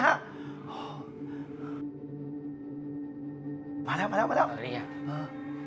พี่ป๋องครับผมเคยไปที่บ้านผีคลั่งมาแล้ว